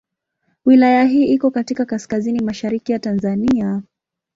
Wilaya hii iko katika kaskazini mashariki ya Tanzania.